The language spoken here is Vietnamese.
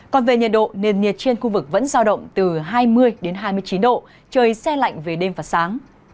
còn về nhiệt độ nền nhiệt trên khu vực vẫn giao động từ hai mươi hai mươi chín độ trời xe lạnh về đêm và sáng